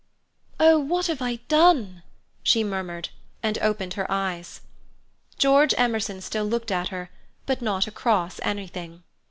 "Oh, what have I done?" she murmured, and opened her eyes. George Emerson still looked at her, but not across anything.